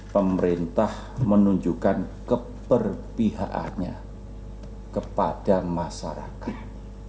pemerintah menunjukkan keperpihakannya kepada masyarakat